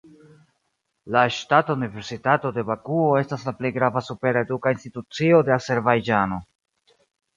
La Ŝtata Universitato de Bakuo estas la plej grava supera eduka institucio de Azerbajĝano.